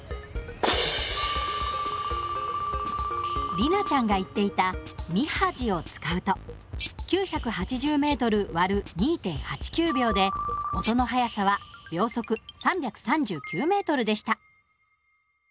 里奈ちゃんが言っていた「みはじ」を使うと９８０ｍ÷２．８９秒で音の速さは秒速３３９ｍでした。